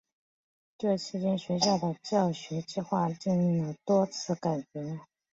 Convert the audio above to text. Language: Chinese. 这期间学校的教学计划经历了多次改革。